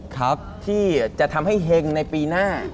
ครับที่จะทำให้เฮงในปีหน้า